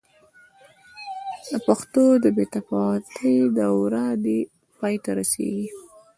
د پښتو د بې تفاوتۍ دوره دې پای ته رسېږي.